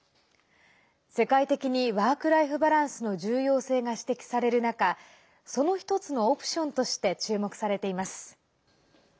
世界的にワークライフバランスの重要性が指摘される中その１つのオプションとして注目されています。